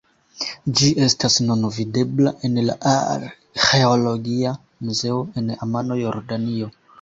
Ĝi estas nun videbla en la Arĥeologia Muzeo en Amano, Jordanio.